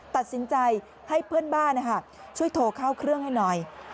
ตัดสินใจให้เพื่อนบ้านช่วยโทรเข้าเครื่องให้หน่อย